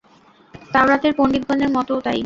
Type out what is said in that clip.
তাওরাতের পণ্ডিতগণের মতও তাই।